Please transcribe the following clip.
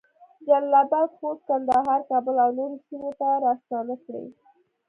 جلال اباد، خوست، کندهار، کابل اونورو سیمو ته راستنه کړې